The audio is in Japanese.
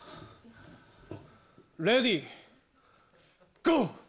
レディーゴー。